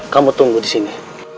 kamu tunggu disini